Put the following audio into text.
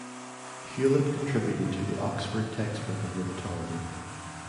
Hewlett contributed to the Oxford Textbook of Rheumatology.